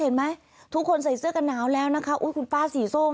เห็นไหมทุกคนใส่เสื้อกะหนาวแล้วนะคะ